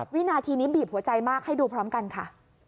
วินาทีนี้บีบหัวใจมากให้ดูพร้อมกันค่ะ